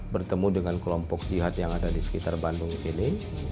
bertemu dengan kelompok jihad yang ada di sekitar bandung sini